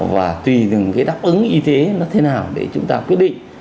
và tùy từng cái đáp ứng y tế nó thế nào để chúng ta quyết định